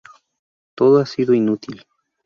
Todo ha sido inútil.